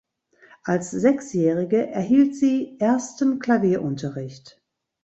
Als Sechsjährige erhielt sie ersten Klavierunterricht.